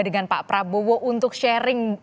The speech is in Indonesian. dengan pak prabowo untuk sharing